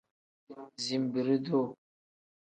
Zinbiri-duu.